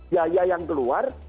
biaya yang keluar